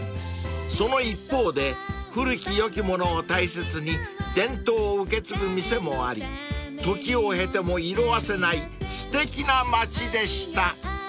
［その一方で古きよきものを大切に伝統を受け継ぐ店もあり時を経ても色あせないすてきな町でした］